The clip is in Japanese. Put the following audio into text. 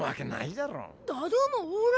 だどもほら。